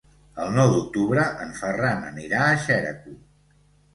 El nou d'octubre en Ferran anirà a Xeraco.